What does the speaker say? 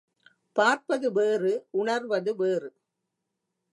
பார்ப்பது வேறு உணர்வது வேறு.